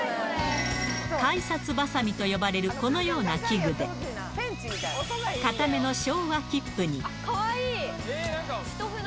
改札ばさみと呼ばれるこのような器具で、硬めの昭和切符に。